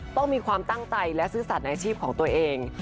ต้องมีความตั้งใจและซื่อสัตว์ในอาชีพของตัวเอง